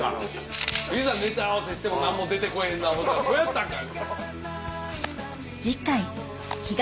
「いざネタ合わせしても何も出てこぉへんな思うたらそうやったんか！」。